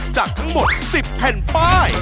จากทั้งหมด๑๐แผ่นป้าย